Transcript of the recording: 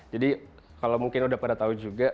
jadi kalau mungkin udah pada tau juga